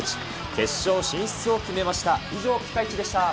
決勝進出を決めました。